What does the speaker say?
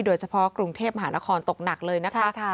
โดยเฉพาะกรุงเทพมหานครตกหนักเลยนะคะ